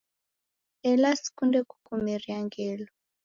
Ela sikunde kukumeria ngelo